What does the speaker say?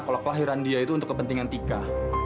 kalau kelahiran dia itu untuk kepentingan tika